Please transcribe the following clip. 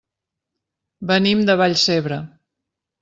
Venim de Vallcebre.